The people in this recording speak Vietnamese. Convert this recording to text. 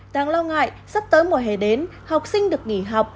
đáng lo ngại sắp tới mùa hè đến học sinh được nghỉ học